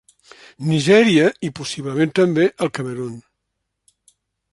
Nigèria i, possiblement també, el Camerun.